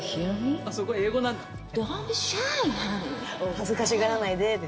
「恥ずかしがらないで」って。